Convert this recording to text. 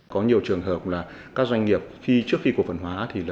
có nhiều trường hợp là các doanh nghiệp trước khi cổ phần hóa